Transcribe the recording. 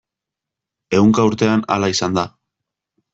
Ehunka urtean hala izan da.